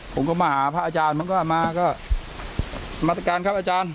ผมก็มาหาพระอาจารย์มันก็มาก็มาตรการครับอาจารย์